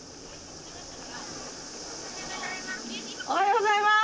おはようございます。